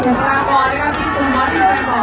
ขอบคุณมากนะคะแล้วก็แถวนี้ยังมีชาติของ